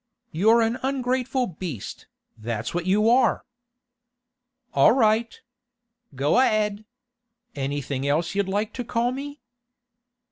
You're a ungrateful beast, that's what you are!' 'All right. Go a'ead! Anything else you'd like to call me?